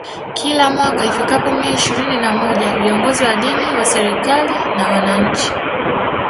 Kila mwaka ifikapo Mei ishirinina moja viongozi wa dini wa serikali na wananchi